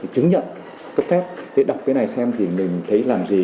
có cái chứng nhận có cái phép để đọc cái này xem thì mình thấy làm gì